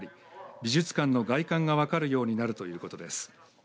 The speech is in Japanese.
美術館の外観が分かるようになるということです。